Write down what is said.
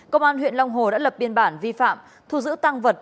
công an huyện long hồ đã lập biên bản vi phạm thu giữ tăng vật